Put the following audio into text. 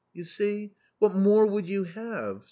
You see. What more would you have